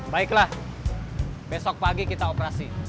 baiklah besok pagi kita operasi